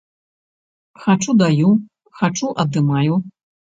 Хачу даю, хачу адымаю.